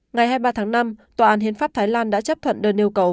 ngày hai mươi ba tháng năm tòa án hiến pháp thái lan đã chấp thuận đơn yêu cầu